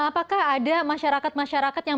apakah ada masyarakat masyarakat yang